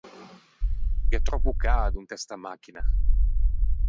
Gh’é tròppo cado inte sta machina.